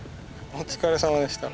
お疲れさまでした。